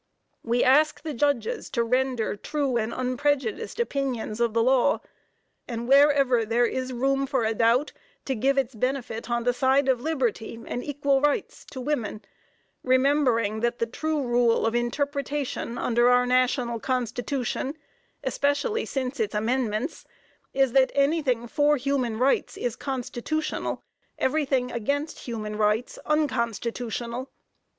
We ask the judges to render true and unprejudiced opinions of the law, and wherever there is room for a doubt to give its benefit on the side of liberty and equal rights to women, remembering that "the true rule of interpretation under our national constitution, especially since its amendments, is that anything for human rights is constitutional, everything against human rights unconstitutional."